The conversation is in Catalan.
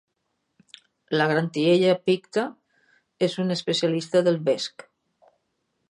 La "Grantiella picta" és una especialista del vesc.